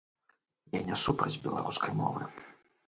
Я не супраць беларускай мовы.